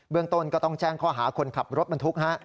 ต้นก็ต้องแจ้งข้อหาคนขับรถบรรทุก